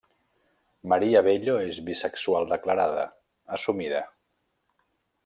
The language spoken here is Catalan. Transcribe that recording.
Maria Bello és Bisexual declarada, assumida.